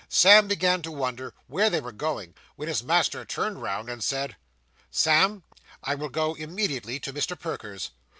Sam began to wonder where they were going, when his master turned round, and said 'Sam, I will go immediately to Mr. Perker's.